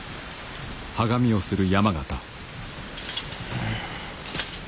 うん。